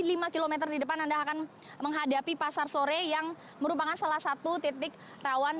lima km di depan anda akan menghadapi pasar sore yang merupakan salah satu titik rawan